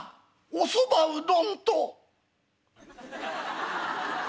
『おそばうどん』？」。